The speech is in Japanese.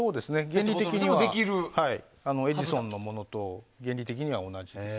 エジソンのものと原理的には同じです。